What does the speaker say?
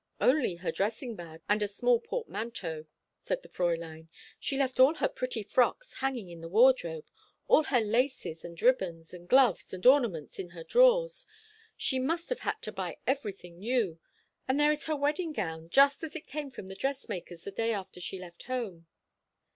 "Only her dressing bag and a small portmanteau," said the Fräulein. "She left all her pretty frocks hanging in the wardrobe; all her laces and ribbons, and gloves and ornaments in her drawers. She must have had to buy everything new. And there is her wedding gown, just as it came from the dressmaker's the day after she left home."